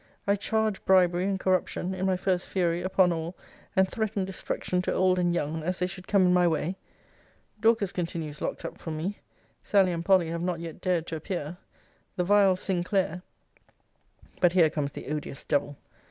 I charged bribery and corruption, in my first fury, upon all; and threatened destruction to old and young, as they should come in my way. Dorcas continues locked up from me: Sally and Polly have not yet dared to appear: the vile Sinclair But here comes the odious devil.